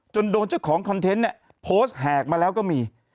โดนเจ้าของคอนเทนต์เนี่ยโพสต์แหกมาแล้วก็มี